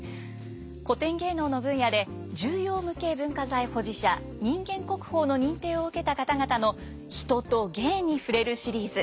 古典芸能の分野で重要無形文化財保持者人間国宝の認定を受けた方々の「人と芸」に触れるシリーズ。